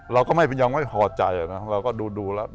เราก็ยังไม่ห่อใจนะเราก็ดูแล้ว